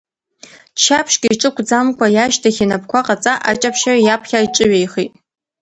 Ччаԥшьк иҿықәӡамкәа, иашьҭахь инапқәа ҟаҵа, аҷаԥшьаҩ иаԥхьа иҿыҩеихеит.